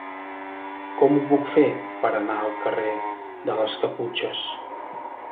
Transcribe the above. Com ho puc fer per anar al carrer de les Caputxes?